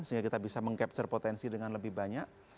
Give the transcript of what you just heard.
sehingga kita bisa mengcapture potensi dengan lebih banyak